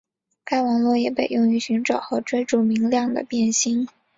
该网络也被用于寻找和追逐明亮的变星。